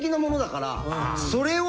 それを。